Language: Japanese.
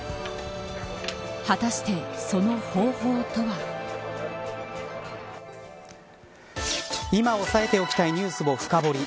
果たして、その方法とは。今、押さえておきたいニュースを深掘り